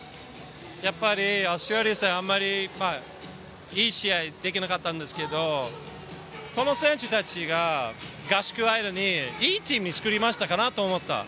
やっぱりオーストリア戦、あまりいい試合ができなかったんですけど、この選手たちが合宿の間にいいチームに作りましたかなと思った。